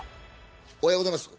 「おはようございます。